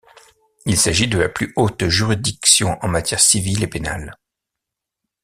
Il s'agit de la plus haute juridiction en matière civile et pénale.